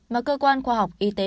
mà cơ quan khoa học y tế